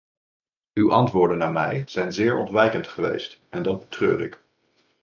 Uw antwoorden aan mij zijn zeer ontwijkend geweest, en dat betreur ik.